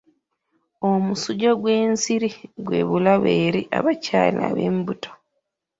Omusujja gw'ensiri gwa bulabe eri abakyala ab'embuto.